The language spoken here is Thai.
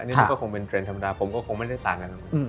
อันนี้มันก็คงเป็นเทรนดธรรมดาผมก็คงไม่ได้ต่างกัน